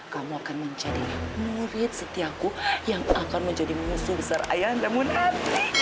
kamu akan menjadi murid setiaku yang akan menjadi musuh besar ayah anda munar